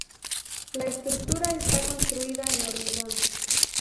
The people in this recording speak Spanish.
La estructura está construida en hormigón.